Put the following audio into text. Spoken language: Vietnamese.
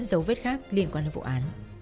dấu vết khác liên quan đến vụ án